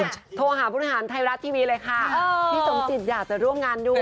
ช่วงไทยรัฐอยากจะไปทำงานด้วย